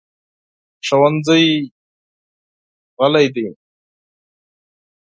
ښوونځی غلی دی.